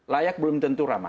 layak belum tentu ramah